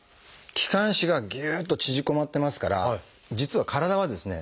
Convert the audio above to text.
気管支がぎゅっと縮こまってますから実は体はですね